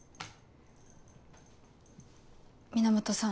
源さん。